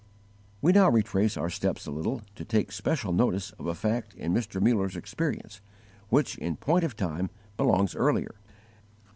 We now retrace our steps a little to take special notice of a fact in Mr. Muller's experience which, in point of time, belongs earlier.